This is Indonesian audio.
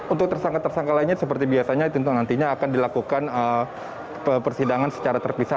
untuk tersangka tersangka lainnya seperti biasanya tentu nantinya akan dilakukan persidangan secara terpisah